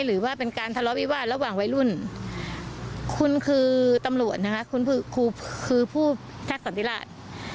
หรือว่าเป็นการทะเลาะวิวาสระหว่างวัยรุ่นคุณคือตำรวจนะคะคุณครูคือผู้ทักษันติราช